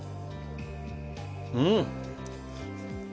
うん。